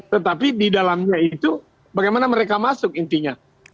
tetapi di dalamnya itu bagaimana mereka masuk intinya